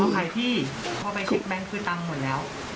ใครที่พอไปเช็คแบงค์คือตังค์หมดแล้ว